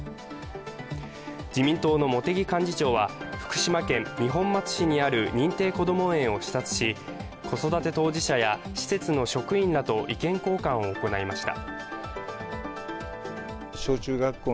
自民党の茂木幹事長は、福島県二本松市にある認定こども園を視察し子育て当事者や施設の職員らと意見交換を行いました。